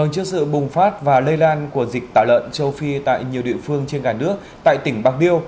trước sự bùng phát và lây lan của dịch tả lợn châu phi tại nhiều địa phương trên cả nước tại tỉnh bạc liêu